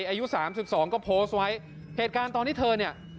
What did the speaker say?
อายุสามสิบสองก็โพสต์ไว้เหตุการณ์ตอนที่เธอเนี่ย